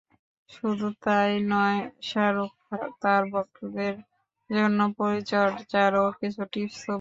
শুধু তা-ই নয়, শাহরুখ তাঁর ভক্তদের জন্য শরীরচর্চার কিছু টিপসও বলেছেন।